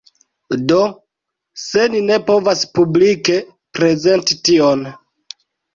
Do, se ni ne povas publike prezenti tion